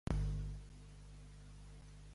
Donar per escrits.